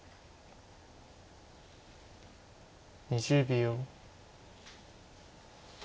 ２０秒。